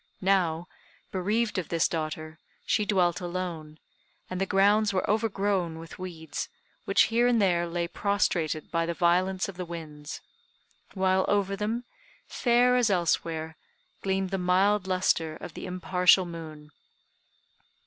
Now, bereaved of this daughter, she dwelt alone; and the grounds were overgrown with weeds, which here and there lay prostrated by the violence of the winds; while over them, fair as elsewhere, gleamed the mild lustre of the impartial moon.